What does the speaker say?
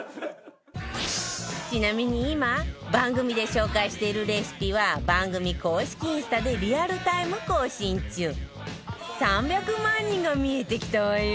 ちなみに今番組で紹介しているレシピは番組公式インスタでリアルタイム更新中３００万人が見えてきたわよ！